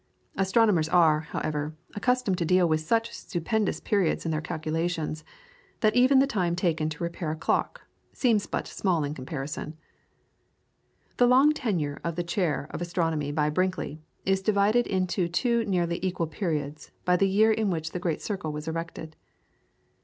Astronomers are, however, accustomed to deal with such stupendous periods in their calculations, that even the time taken to repair a clock seems but small in comparison. The long tenure of the chair of Astronomy by Brinkley is divided into two nearly equal periods by the year in which the great circle was erected.